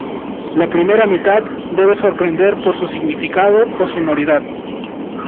La primera mitad debe sorprender por su significado o sonoridad.